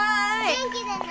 元気でね。